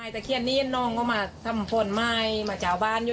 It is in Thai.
ตะเคียนนี้น้องเขามาทำผ่อนไม้มาจ่าวบ้านอยู่